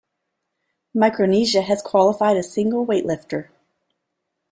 Micronesia has qualified a single weightlifter.